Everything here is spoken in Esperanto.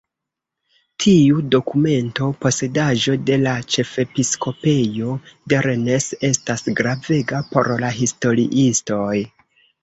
Tiu dokumento, posedaĵo de la ĉefepiskopejo de Rennes, estas gravega por la historiistoj.